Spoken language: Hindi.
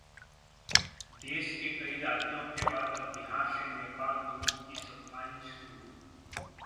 देश के कई राज्यों के बाद अब बिहार से नेपाल दूध की सप्लाई शुरू